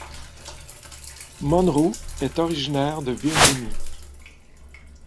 Monroe est originaire de Virginie.